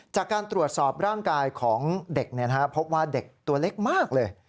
จากการตรวจสอบร่างกายของเด็กพบว่าเด็กตัวเล็กมากเลย